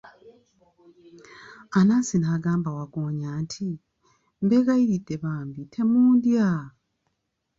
Anansi n'agamba wagggoonya nti, mbegayiridde bambi temundya!